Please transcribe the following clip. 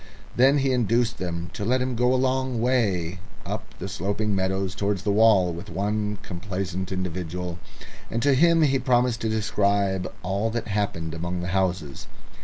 Then he induced them to let him go a long way up the sloping meadows towards the wall with one complacent individual, and to him he promised to describe all that happened among the houses.